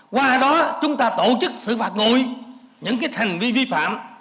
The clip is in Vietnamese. qua đó chúng ta tổ chức xử phạt nguội những hành vi vi phạm